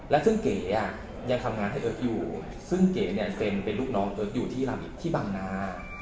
และซึ่งเก๋ยังทำงานให้เอิ๊กอยู่ซึ่งเก๋เนี่ยเป็นลูกน้องเอิ๊กอยู่ที่บางนา